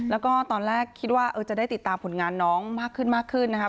แล้วก็ตอนแรกคิดว่าจะได้ติดตามผลงานน้องมากขึ้นมากขึ้นนะครับ